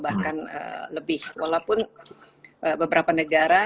bahkan lebih walaupun beberapa negara